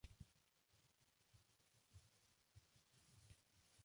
Cuando el volumen disminuye se produce la compresión.